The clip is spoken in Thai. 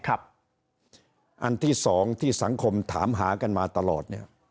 อันที่๒ที่สังคมถามหากันมาตลอด